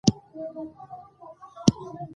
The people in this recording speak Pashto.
موږ ټول یو موټی افغانان یو.